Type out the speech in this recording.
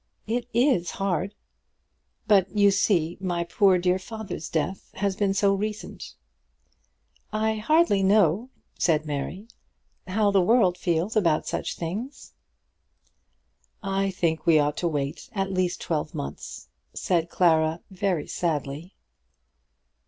"It is hard." "But you see my poor, dear father's death has been so recent." "I hardly know," said Mary, "how the world feels about such things." "I think we ought to wait at least twelve months," said Clara, very sadly.